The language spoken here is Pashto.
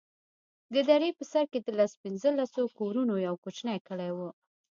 د درې په سر کښې د لس پينځه لسو کورونو يو کوچنى کلى و.